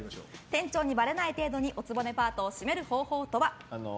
店長にばれない程度にお局パートをシメる方法とは？